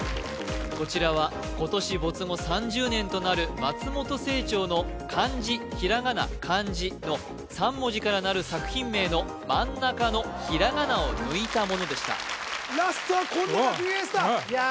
こちらは今年没後３０年となる松本清張の漢字ひらがな漢字の３文字からなる作品名の真ん中のひらがなを抜いたものでしたラストはこんないや！